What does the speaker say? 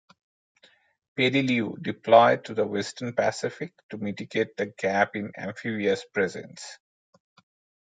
"Peleliu" deployed to the Western Pacific to mitigate the gap in amphibious presence.